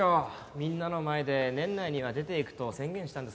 みんなの前で年内には出て行くと宣言したんですから。